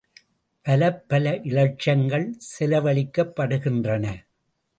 பலப்பல இலட்சங்கள் செலவழிக்கப்படுகின்றன!